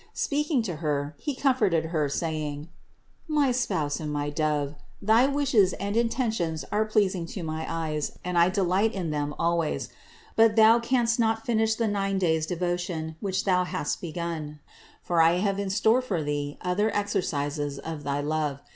Speaking to Her, He comforted Her saying : "My Spouse and my Dove, thy wishes and intentions are pleasing in my eyes and I delight in them always. But Thou canst not finish the nine days' devotion, which Thou hast begun, for I have in store for Thee other exercises of Thy love.